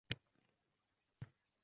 G’ussasini o’ldirdi.